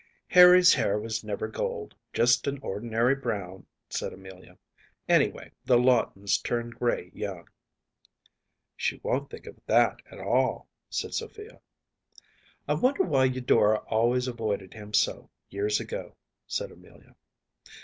‚ÄĚ “Harry’s hair was never gold just an ordinary brown,‚ÄĚ said Amelia. “Anyway, the Lawtons turned gray young.‚ÄĚ “She won’t think of that at all,‚ÄĚ said Sophia. “I wonder why Eudora always avoided him so, years ago,‚ÄĚ said Amelia.